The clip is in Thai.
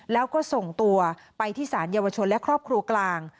แล้วก็ส่งตัวไปที่สารเยาวชนและครอบครัวกลาง